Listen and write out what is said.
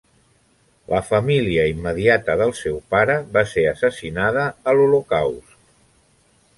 La família immediata del seu pare va ser assassinada a l'Holocaust.